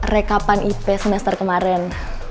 rekapan ip semester kemarin